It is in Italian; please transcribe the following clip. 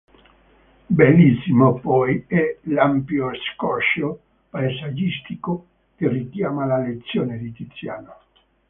Bellissimo poi è l’ampio scorcio paesaggistico che richiama la lezione di Tiziano.